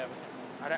あれ？